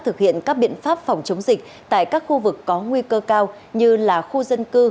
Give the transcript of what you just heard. thực hiện các biện pháp phòng chống dịch tại các khu vực có nguy cơ cao như là khu dân cư